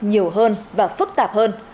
nhiều hơn và phức tạp hơn